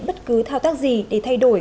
bất cứ thao tác gì để thay đổi